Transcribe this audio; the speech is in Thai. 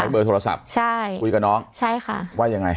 เบอร์โทรศัพท์ใช่คุยกับน้องใช่ค่ะว่ายังไง